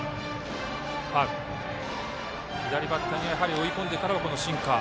左バッターには追い込んでからシンカー。